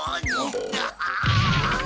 ああ。